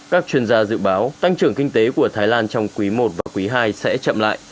các chuyên gia dự báo tăng trưởng kinh tế của thái lan trong quý i và quý ii sẽ chậm lại